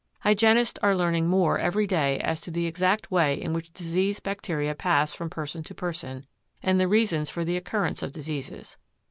Hygienists are learning more every day as to the exact way in which disease bacteria pass from person to person, and the reasons for the occurrence of diseases.